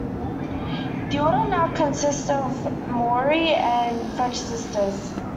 The order now consists of Maori and French Sisters.